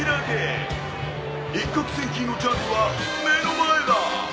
一獲千金のチャンスは目の前だ！